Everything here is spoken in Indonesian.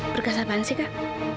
berkas apaan sih kak